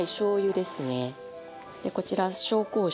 でこちら紹興酒。